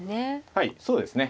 はいそうですね。